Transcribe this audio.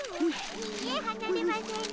いいえはなれませぬ。